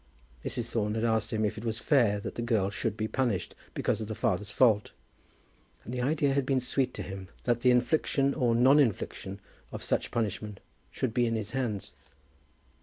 Mrs. Thorne had asked him if it was fair that the girl should be punished because of the father's fault; and the idea had been sweet to him that the infliction or non infliction of such punishment should be in his hands.